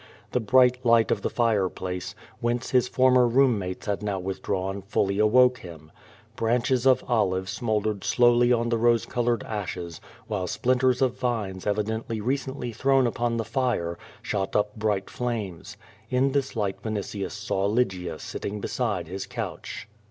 The bright light of the fire place, whence his former room mates had now Avithdrawn, fully awoke him. Branches of olive smouldered slowly on the rose colored ashes, while splinters of vines evidently recently thrown upon the fire, shot up briglit flames. In this light Vinitius saw Lygia sitting beside liis couch.